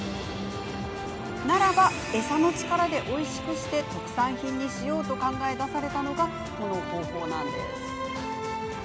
ならば、餌の力でおいしくして特産品にしようと考え出されたのがこの方法なんです。